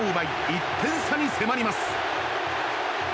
１点差に迫ります。